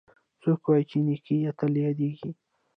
څوک وایي چې نیکۍ تل یادیږي